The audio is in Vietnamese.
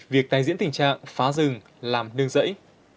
việc tái diễn tình trạng phá rừng làm nương rẫy